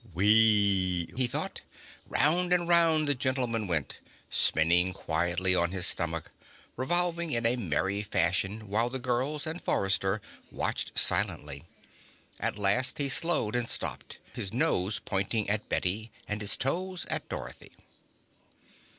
Whee! he thought. Round and round the gentleman went, spinning quietly on his stomach, revolving in a merry fashion while the girls and Forrester watched silently. At last he slowed and stopped, his nose pointing at Bette and his toes at Dorothy.